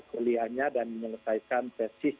kuliahnya dan menyelesaikan pesis